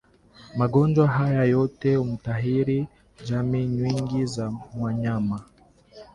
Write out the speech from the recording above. Magonjwa haya yote huathiri jamii nyingi za wanyama